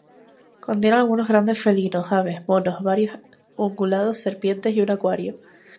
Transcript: Contiene algunos grandes felinos, aves, monos, varios ungulados, serpientes, y un acuario.